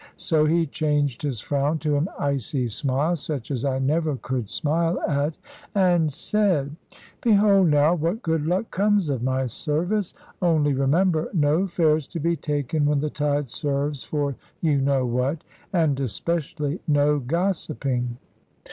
So he changed his frown to an icy smile, such as I never could smile at, and said "Behold now what good luck comes of my service! Only remember, no fares to be taken when the tide serves for you know what. And especially no gossiping."